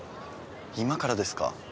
今からですか？